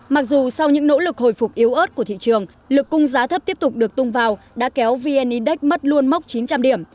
mặc dù sau những nỗ lực hồi phục yếu ớt của thị trường lực cung giá thấp tiếp tục được tung vào đã kéo vn index mất luôn mốc chín trăm linh điểm